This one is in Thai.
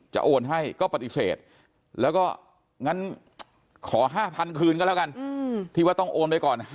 โอนให้ก็ปฏิเสธแล้วก็งั้นขอ๕๐๐๐คืนก็แล้วกันที่ว่าต้องโอนไปก่อน